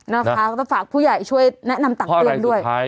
นะคะก็ต้องฝากผู้ใหญ่ช่วยแนะนำตักเตือนด้วย